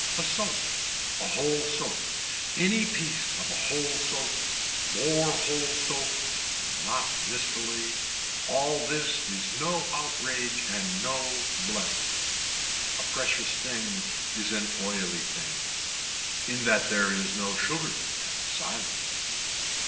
A soap, a whole soap, any piece of a whole soap, more whole soap and not mistily, all this is no outrage and no blessing. A precious thing is an oily thing. In that there is no sugar and silence.